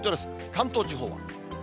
関東地方。